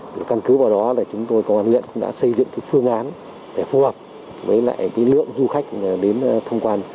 từ căn cứ vào đó công an luyện cũng đã xây dựng phương án phù hợp với lượng du khách đến tham quan